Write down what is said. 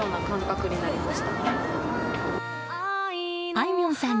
あいみょんさん